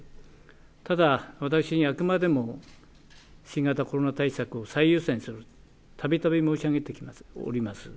ただ、私、あくまでも新型コロナ対策を最優先にすると、たびたび申し上げております。